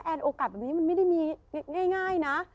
โอกาสแบบนี้มันไม่ได้มีง่ายนะ